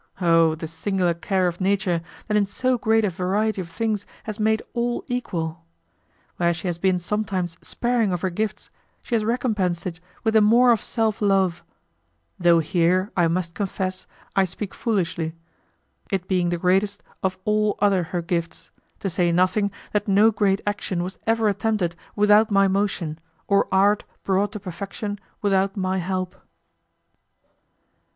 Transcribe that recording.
O the singular care of Nature, that in so great a variety of things has made all equal! Where she has been sometimes sparing of her gifts she has recompensed it with the more of self love; though here, I must confess, I speak foolishly, it being the greatest of all other her gifts: to say nothing that no great action was ever attempted without my motion, or art brought to perfection without my help.